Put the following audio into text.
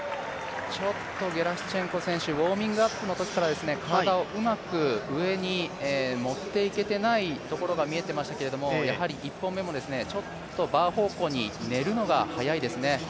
ちょっとゲラシュチェンコ選手ウオーミングアップのときから上に持っていけてないところが見えていましたけどやはり１本目もちょっとバー方向に寝るのが早いですね。